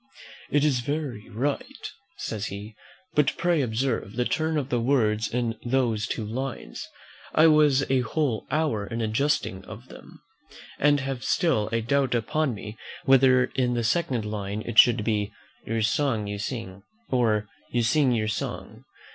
'" "It is very right," says he; "but pray observe the turn of words in those two lines. I was a whole hour in adjusting of them, and have still a doubt upon me whether in the second line it should be, 'Your song you sing; or, You sing your song?'